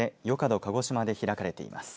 ど鹿児島で開かれています。